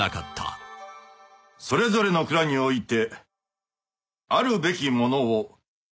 「それぞれの蔵において」